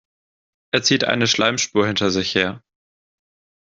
Er zieht eine Schleimspur hinter sich her.